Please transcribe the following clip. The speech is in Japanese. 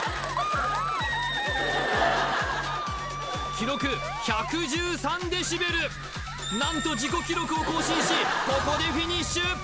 記録１１３デシベル何と自己記録を更新しここでフィニッシュ！